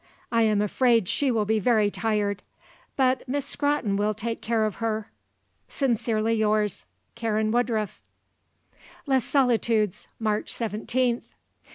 I am afraid she will be very tired. But Miss Scrotton will take care of her. Sincerely yours, "Karen Woodruff." "Les Solitudes, "March 17th.